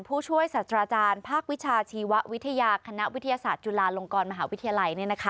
ผู้ช่วยศาสตราจารย์ภาควิชาชีววิทยาคณะวิทยาศาสตร์จุฬาลงกรมหาวิทยาลัย